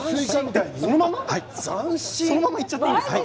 そのままいっちゃっていいんですか？